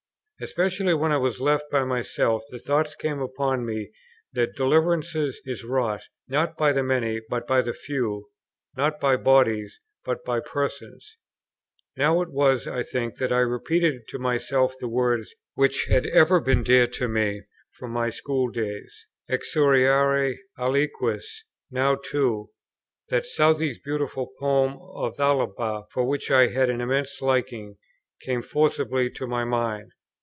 Especially when I was left by myself, the thought came upon me that deliverance is wrought, not by the many but by the few, not by bodies but by persons. Now it was, I think, that I repeated to myself the words, which had ever been dear to me from my school days, "Exoriare aliquis!" now too, that Southey's beautiful poem of Thalaba, for which I had an immense liking, came forcibly to my mind.